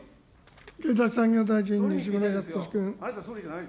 経済産業大臣、西村康稔君。